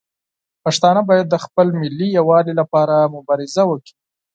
پښتانه باید د خپل ملي یووالي لپاره مبارزه وکړي.